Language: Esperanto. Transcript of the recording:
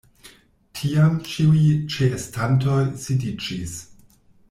Tiam ĉiuj ĉeestantoj sidiĝis.